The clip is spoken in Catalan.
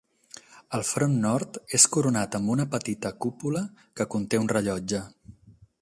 El front nord és coronat amb una petita cúpula que conté un rellotge.